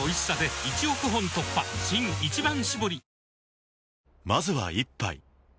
新「一番搾り」